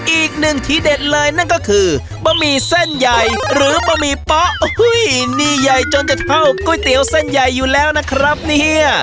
อีกหนึ่งทีเด็ดเลยนั่นก็คือบะหมี่เส้นใหญ่หรือบะหมี่เป๊ะนี่ใหญ่จนจะเท่าก๋วยเตี๋ยวเส้นใหญ่อยู่แล้วนะครับเนี่ย